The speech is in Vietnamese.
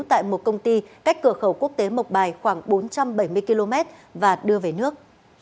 tại một công ty cách cửa khẩu quốc tế mộc bài khoảng bốn trăm bảy mươi km và đưa về nước